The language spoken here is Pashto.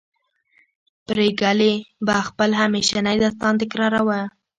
پريګلې به خپل همیشنی داستان تکراروه